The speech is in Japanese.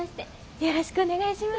よろしくお願いします。